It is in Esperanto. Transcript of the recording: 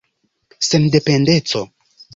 sendependeco